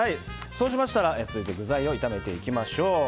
そうしましたら、続いて具材を炒めていきましょう。